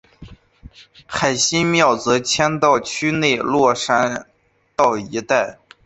海心庙则迁到区内落山道一带。